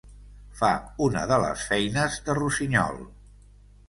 Fa una de les feines de Rusiñol.